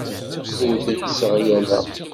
Ur tent-sseɣyaleɣ.